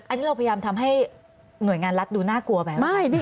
อันนี้เราพยายามทำให้หน่วยงานรัฐดูน่ากลัวไหม